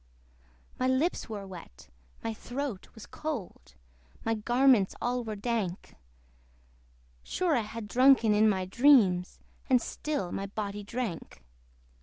My lips were wet, my throat was cold, My garments all were dank; Sure I had drunken in my dreams, And still my body drank.